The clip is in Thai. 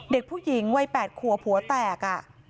เด็กผู้หญิงวัย๘ขัวผัวแตก